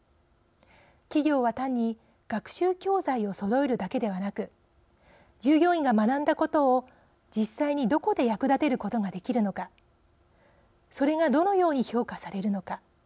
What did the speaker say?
企業は単に学習教材をそろえるだけではなく従業員が学んだことを実際にどこで役立てることができるのかそれがどのように評価されるのか。